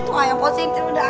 tuh ayam positi udah